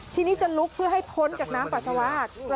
ทีนี้จะลุกเพื่อให้พ้นจากน้ำปัสสาวะ